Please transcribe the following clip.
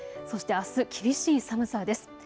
そしてあす、厳しい寒さです。